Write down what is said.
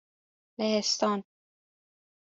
لهستان